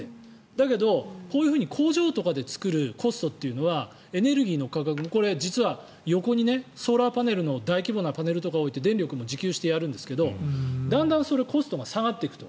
だけど、こういうふうに工場とかで作るコストというのはエネルギーの価格もこれ、実は横にソーラーパネルの大規模なパネルとかを置いて電力も自給してやるんですけどだんだんコストが下がっていくと。